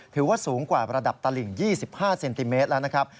ถือว่าสูงกว่าระดับตลิ่ง๒๕เซนติเมตรแล้วนะครับ